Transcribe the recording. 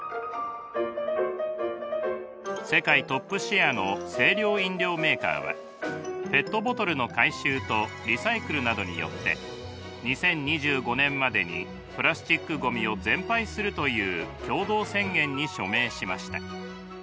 世界トップシェアの清涼飲料メーカーはペットボトルの回収とリサイクルなどによって２０２５年までにプラスチックごみを全廃するという共同宣言に署名しました。